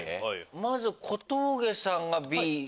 まず小峠さんがＢ。